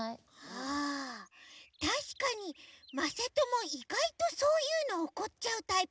ああたしかにまさともいがいとそういうのおこっちゃうタイプなのかも。